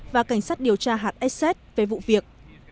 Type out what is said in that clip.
và cảnh sát điều tra hatsx về vụ việc